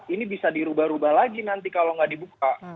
ini bisa dirubah rubah lagi nanti kalau nggak dibuka